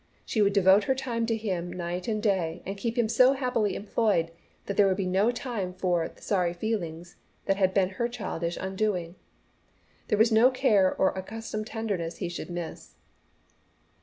She would devote her time to him night and day and keep him so happily employed, there would be no time for "the sorry feelin's" that had been her childish undoing. There was no care or accustomed tenderness he should miss.